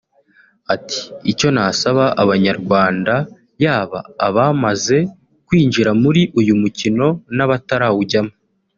Ati “Icyo nasaba abanyarwanda yaba abamaze kwinjira muri uyu mukino nabatarawujyamo